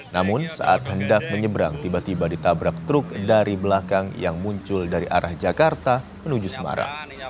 namun saat hendak menyeberang tiba tiba ditabrak truk dari belakang yang muncul dari arah jakarta menuju semarang